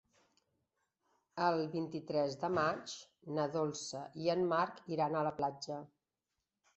El vint-i-tres de maig na Dolça i en Marc iran a la platja.